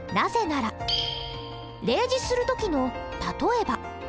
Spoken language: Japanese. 例示する時の「例えば」。